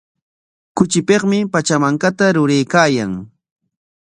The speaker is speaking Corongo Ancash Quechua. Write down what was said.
Kuchipikmi Pachamankata ruraykaayan.